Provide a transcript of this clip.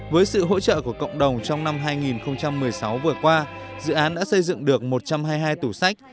với sự hỗ trợ của cộng đồng trong năm hai nghìn một mươi sáu vừa qua dự án đã xây dựng được một trăm hai mươi hai tủ sách